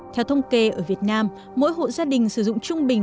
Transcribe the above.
theo thông kê ở việt nam mỗi hộ gia đình sử dụng trung bình